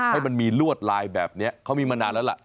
ให้มันมีลวดลายแบบนี้เขามีมานานแล้วล่ะ